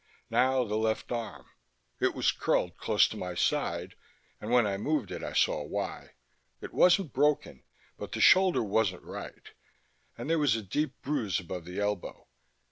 Now the left arm: it was curled close to my side and when I moved it I saw why: it wasn't broken, but the shoulder wasn't right, and there was a deep bruise above the elbow.